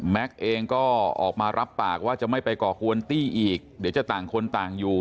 เองก็ออกมารับปากว่าจะไม่ไปก่อกวนตี้อีกเดี๋ยวจะต่างคนต่างอยู่